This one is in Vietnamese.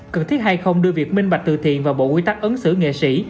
cần thiết hay không đưa việc minh bạch từ thiện vào bộ quy tắc ứng xử nghệ sĩ